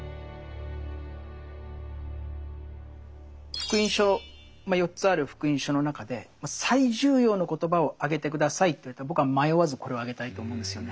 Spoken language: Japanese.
「福音書」４つある「福音書」の中で最重要の言葉を挙げて下さいと言われたら僕は迷わずこれを挙げたいと思うんですよね。